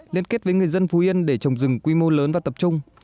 liên kết với người dân phú yên để trồng rừng quy mô lớn và tập trung